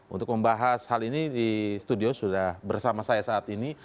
untuk membahas hal ini di studio sudah bersama saya saat ini